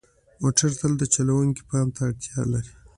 موټر تل د چلوونکي پام ته اړتیا لري.